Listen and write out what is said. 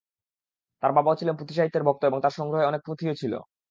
তাঁর বাবাও ছিলেন পুঁথি সাহিত্যের ভক্ত এবং তাঁর সংগ্রহে অনেক পুঁথিও ছিল।